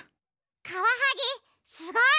カワハギすごい！